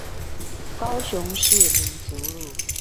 高雄市民族路